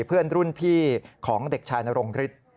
เพื่อนรุ่นพี่ของเด็กชายนรงฤทธิ์